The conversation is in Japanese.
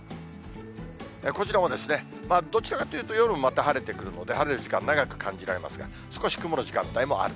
こちらもですね、どちらかというと夜、また晴れてくるので、晴れる時間、長く感じられますが、少し曇る時間帯もある。